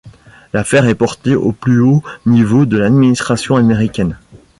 L'affaire est porté au plus haut niveau de l'administration américaine.